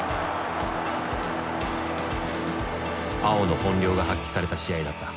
碧の本領が発揮された試合だった。